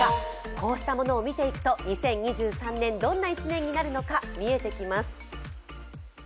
こうしたものを見ていくと２０２３年、どんな１年になるのか見えてきます。